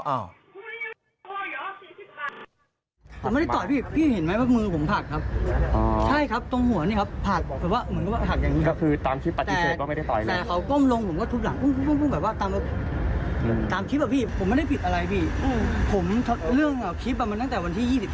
เอ้าเอ้า